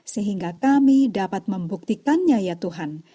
sehingga kami dapat membuktikannya ya tuhan